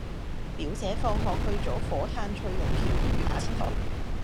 表姐放學去左火炭翠榕橋公園打韆鞦